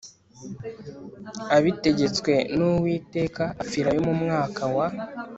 abitegetswe n Uwiteka apfirayo mu mwaka wa